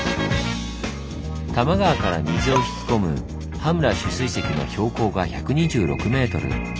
多摩川から水を引き込む羽村取水堰の標高が１２６ｍ。